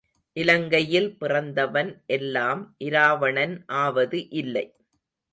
இலங்கையில் பிறந்தவன் எல்லாம் இராவணன் ஆவது இல்லை.